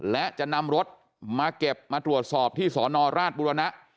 และจะนำรถมาเก็บมาตรวจสอบที่สอนอราชบุรณะ